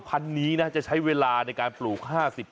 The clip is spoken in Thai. คันนี้นะจะใช้เวลาในการปลูก๕๐